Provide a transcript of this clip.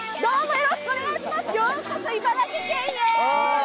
よろしくお願いします。